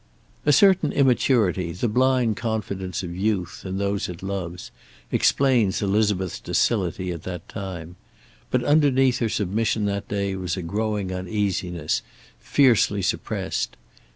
A certain immaturity, the blind confidence of youth in those it loves, explains Elizabeth's docility at that time. But underneath her submission that day was a growing uneasiness, fiercely suppressed.